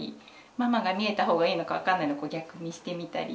ママが見えた方がいいのか分かんないの逆にしてみたり。